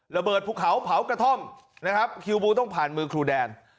ภูเขาเผากระท่อมนะครับคิวบูต้องผ่านมือครูแดน